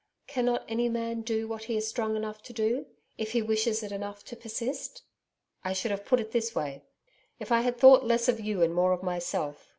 'Cannot any man do what he is strong enough to do if he wishes it enough to persist?' 'I should have put it this way. If I had thought less of you and more of myself.